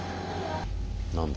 何だ？